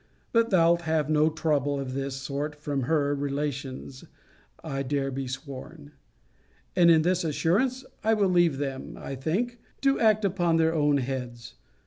But thou'lt have no trouble of this sort from her relations, I dare be sworn. And in this assurance, I will leave them, I think, to act upon their own heads.